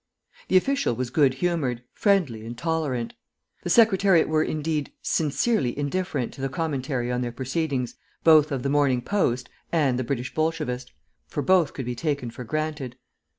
The official was good humoured, friendly, and tolerant. The Secretariat were, indeed, sincerely indifferent to the commentary on their proceedings both of the Morning Post and the British Bolshevist, for both could be taken for granted.